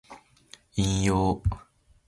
引用